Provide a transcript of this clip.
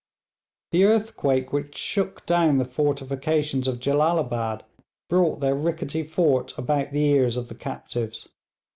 The earthquake which shook down the fortifications of Jellalabad brought their rickety fort about the ears of the captives.